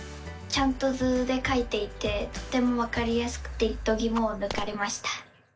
ちゃんと図でかいていてとてもわかりやすくてどぎもをぬかれました！